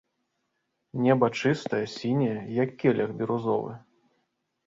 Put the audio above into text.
Неба чыстае, сіняе, як келіх бірузовы.